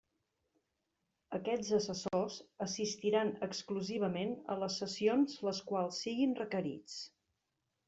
Aquests assessors assistiran exclusivament a les sessions les quals siguin requerits.